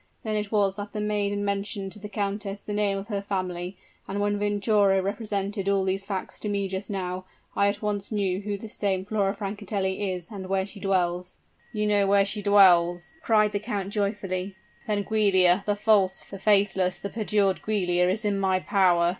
Then it was that the maiden mentioned to the countess the name of her family, and when Venturo represented all these facts to me just now, I at once knew who this same Flora Francatelli is and where she dwells." "You know where she dwells!" cried the count, joyfully. "Then, Giulia, the false, the faithless, the perjured Giulia is in my power!